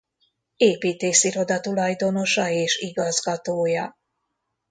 Építésziroda tulajdonosa és igazgatója.